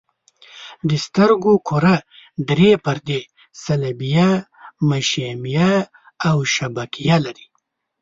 د سترګو کره درې پردې صلبیه، مشیمیه او شبکیه لري.